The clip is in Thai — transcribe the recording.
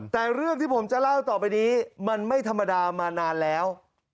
แต่เรื่องที่ผมจะเล่าต่อไปนี้มันไม่ธรรมดามานานแล้ว